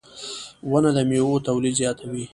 • ونه د میوو تولید زیاتوي.